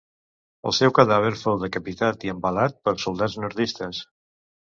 El seu cadàver fou decapitat i empalat per soldats nordistes.